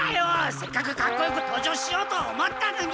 せっかくかっこよく登場しようと思ったのに！